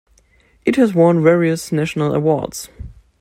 It has won various national awards.